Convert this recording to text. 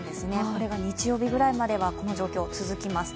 これが日曜日ぐらいまではこの状況続きます。